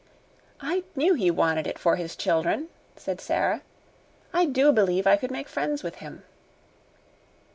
"I knew he wanted it for his children," said Sara. "I do believe I could make friends with him."